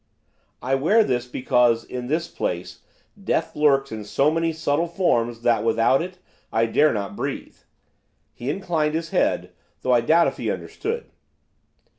'I wear this because, in this place, death lurks in so many subtle forms, that, without it, I dare not breathe.' He inclined his head, though I doubt if he understood.